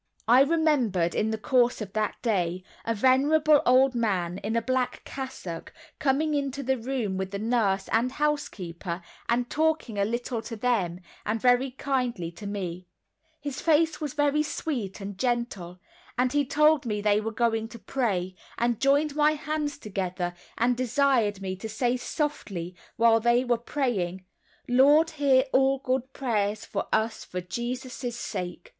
I remembered, in the course of that day, a venerable old man, in a black cassock, coming into the room with the nurse and housekeeper, and talking a little to them, and very kindly to me; his face was very sweet and gentle, and he told me they were going to pray, and joined my hands together, and desired me to say, softly, while they were praying, "Lord hear all good prayers for us, for Jesus' sake."